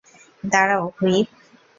দাঁড়াও, হুইপ।